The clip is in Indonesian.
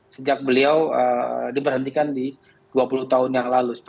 sejak beliau diberhentikan di dua puluh tahun yang lalu